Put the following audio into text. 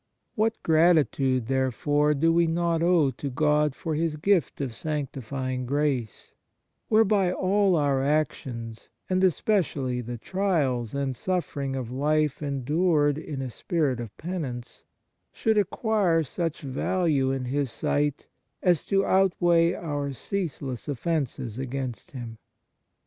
What gratitude, therefore, do we not owe to God for His gift of sanctifying grace, whereby all our actions, and especially the trials and suffering of life endured in a spirit of penance, should acquire such value in His sight as to outweigh our ceaseless offences against Him.